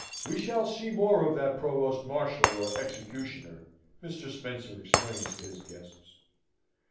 "We shall see more of that Provost Marshal, or executioner," Mr. Spencer explains to his guests.